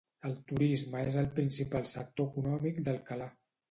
El turisme és el principal sector econòmic d'Alcalà.